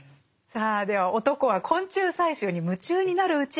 さあでは男は昆虫採集に夢中になるうち